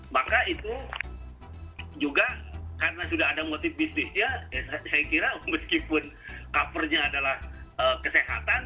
maka itu juga karena sudah ada motif bisnisnya saya kira meskipun covernya adalah kesehatan